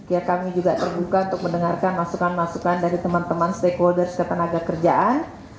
ya kami juga terbuka untuk mendengarkan masukan masukan dari teman teman stakeholders ketenaga kerjaan